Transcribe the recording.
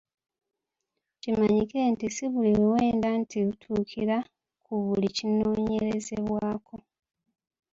Kimanyike nti si buli luwenda nti lutuukira ku buli kinoonyerezebwako!